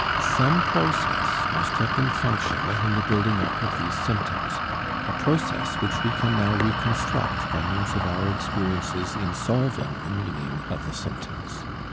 Some process must have been functional in the building up of these symptoms, a process which we can now reconstruct by means of our experiences in solving the meaning of the symptoms.